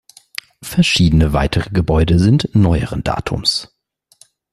Verschiedene weitere Gebäude sind neueren Datums.